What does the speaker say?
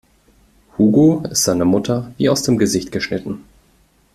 Hugo ist seiner Mutter wie aus dem Gesicht geschnitten.